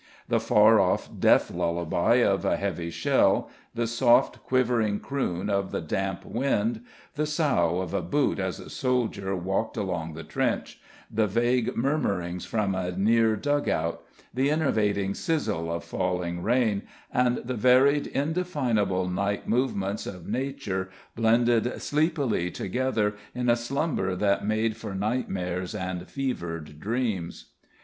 The far off death lullaby of a heavy shell, the soft, quivering croon of the damp wind, the sough of a boot as a soldier walked along the trench; the vague murmurings from a near dug out, the enervating sizzle of falling rain, and the varied, indefinable night movements of Nature blended sleepily together in a slumber that made for nightmares and fevered dreams.